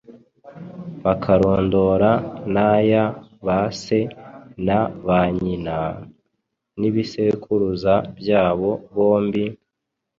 bakarondora n'aya ba se na ba nyina, n'ibisekuruza byabo bombi,